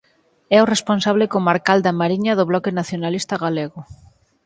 É o responsable comarcal da Mariña do Bloque Nacionalista Galego.